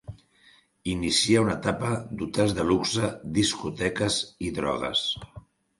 Inicià una etapa d'hotels de luxe, discoteques i drogues.